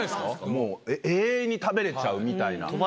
もう永遠に食べれちゃうみたいな。